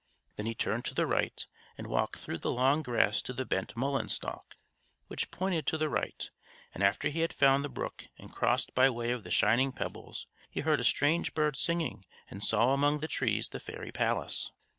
Then he turned to the right, and walked through the long grass to the bent mullein stalk, which pointed to the right; and after he had found the brook and crossed by way of the shining pebbles, he heard a strange bird singing, and saw among the trees the fairy palace.